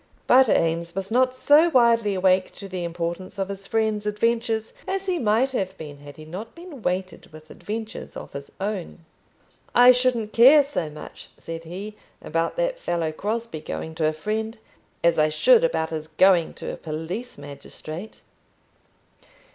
But Eames was not so widely awake to the importance of his friend's adventures as he might have been had he not been weighted with adventures of his own. "I shouldn't care so much," said he, "about that fellow Crosbie going to a friend, as I should about his going to a police magistrate."